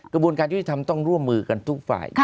กระบวนการยุติธรรมต้องร่วมมือกันทุกฝ่าย